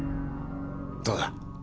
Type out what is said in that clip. どうだ？